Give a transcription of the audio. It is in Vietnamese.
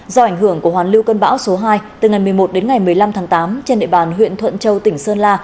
do ảnh hưởng của hoàn lưu cơn bão số hai từ ngày một mươi một đến ngày một mươi năm tháng tám trên địa bàn huyện thuận châu tỉnh sơn la